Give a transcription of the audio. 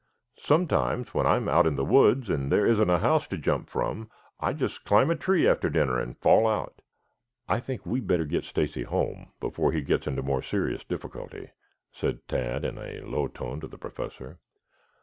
Sometimes when I am out in the woods and there isn't a house to jump from, I just climb a tree after dinner and fall out." "I think we had better get Stacy home before he gets into more serious difficulty," said Tad in a low tone to the Professor.